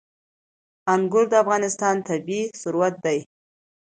انګور د افغانستان طبعي ثروت دی.